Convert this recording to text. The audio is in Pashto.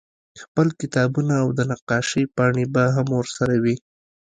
خپل کتابونه او د نقاشۍ پاڼې به هم ورسره وې